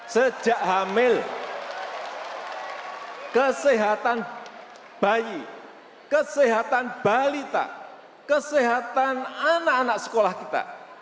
sejak hamil kesehatan bayi kesehatan balita kesehatan anak anak sekolah kita